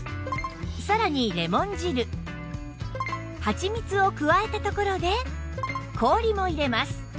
さらにレモン汁はちみつを加えたところで氷も入れます